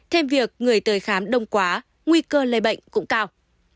thêm việc người tới khám đông quá nguy cơ lây bệnh cũng cao